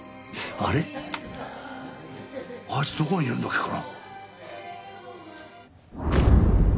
あいつどこにいるんだっけかな？